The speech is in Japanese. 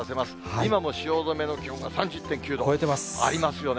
今も汐留の気温が３０．９度ありますよね。